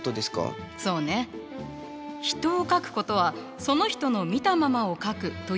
人を描くことはその人の見たままを描くということだけではないの。